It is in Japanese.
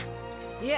いえ。